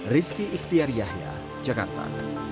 rizky ikhtiar yahya jakarta